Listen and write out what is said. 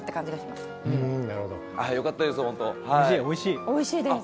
おいしいおいしい。